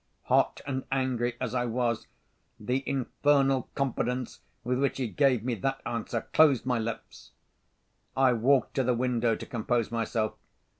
Hot and angry as I was, the infernal confidence with which he gave me that answer closed my lips. I walked to the window to compose myself.